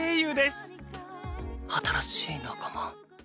新しい仲間。